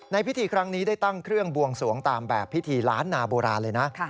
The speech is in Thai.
พิธีครั้งนี้ได้ตั้งเครื่องบวงสวงตามแบบพิธีล้านนาโบราณเลยนะ